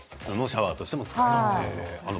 シャワーとしても使えている。